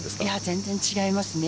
全然違いますね。